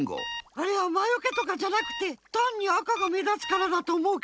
あれはまよけとかじゃなくてたんに赤がめだつからだとおもうけど。